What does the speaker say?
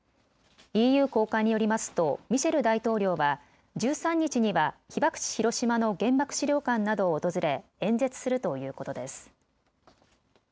ＥＵ高官によりますとミシェル大統領は１３日には被爆地・広島の原爆資料館などを訪れ、演説するということです。